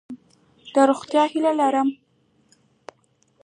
د روغتیا هیله لرم.